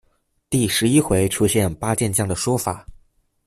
第十一回出现八健将的说法。